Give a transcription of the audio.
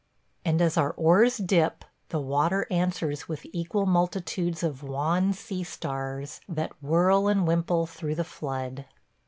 And as our oars dip, the water answers with equal multitudes of wan sea stars that whirl and wimple through the flood.